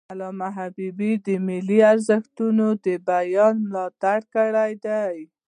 علامه حبیبي د ملي ارزښتونو د بیان ملاتړ کړی دی.